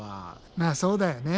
まあそうだよね。